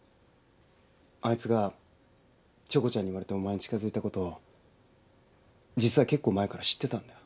あいつがチョコちゃんに言われてお前に近づいたこと実は結構前から知ってたんだ。